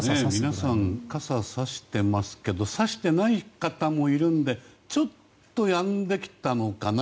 皆さん、傘さしてますけどさしてない方もいるのでちょっとやんできたのかな？